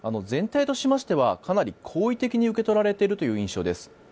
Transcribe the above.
全体としましてはかなり好意的に受け取られているという印象です。